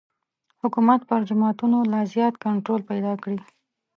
حکومت پر جوماتونو لا زیات کنټرول پیدا کړي.